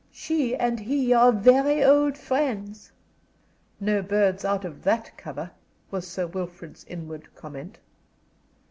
She and he are very old friends." "No birds out of that cover," was Sir Wilfrid's inward comment.